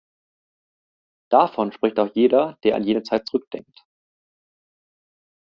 Davon spricht auch jeder, der an jene Zeit zurückdenkt.